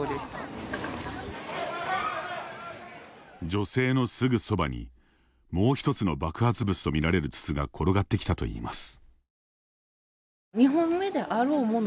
女性のすぐそばにもう一つの爆発物とみられる筒が転がってきたといいます。